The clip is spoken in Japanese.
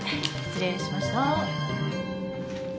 失礼しました。